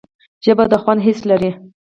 ژبه د خوند حس لري